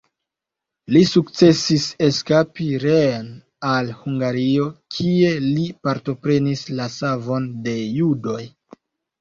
Li sukcesis eskapi reen al Hungario kie li partoprenis la savon de judoj.